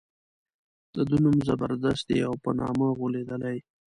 د ده نوم زبردست دی او په نامه غولېدلی.